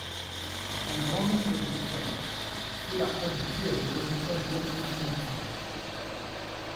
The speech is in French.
Un grand nombre de différences ! Cela aboutit à des résultats diamétralement différents.